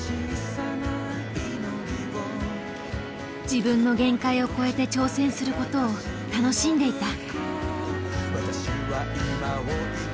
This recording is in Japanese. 自分の限界を超えて挑戦することを楽しんでいた。